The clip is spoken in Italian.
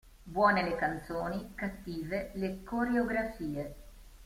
Buone le canzoni, cattive le coreografie".